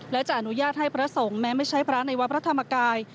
และจะอนุญาตให้พระสงฆ์แม้ไม่ใช่พระในวัดพระธรรมกาย